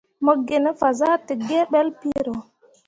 Mo gine fazahtǝgǝǝ ɓelle piro.